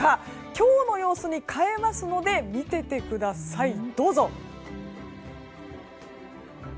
今日の様子に変えますので見ていてください、どうぞ。